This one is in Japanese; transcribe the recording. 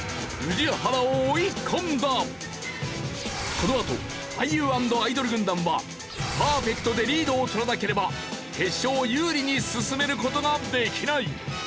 このあと俳優＆アイドル軍団はパーフェクトでリードを取らなければ決勝を有利に進める事ができない！